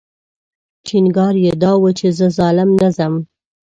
ټینګار یې دا و چې زه ظالم نه ځم.